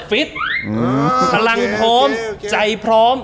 ฟิตพลังพร้อมใจพร้อม